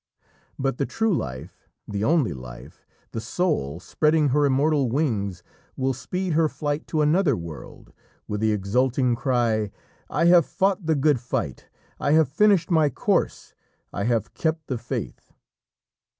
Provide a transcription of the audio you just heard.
But the true life, the only life, the soul, spreading her immortal wings, will speed her flight to another world, with the exulting cry, "I have fought the good fight. I have finished my course. I have kept the faith!"